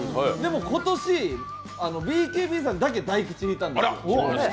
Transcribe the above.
でも今年、ＢＫＢさんだけ大吉引いたんです。